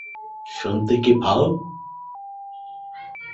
শুনতে কি পাও!